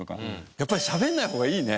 やっぱり喋んない方がいいね。